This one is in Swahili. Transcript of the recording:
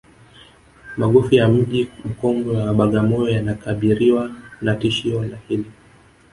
magofu ya mji mkongwe wa bagamoyo yanakabiriwa na tishio hili